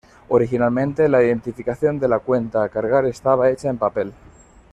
Originalmente la identificación de la cuenta a cargar estaba hecha en papel.